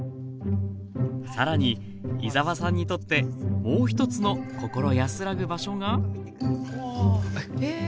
更に井澤さんにとってもう一つの心安らぐ場所がわあえっえ。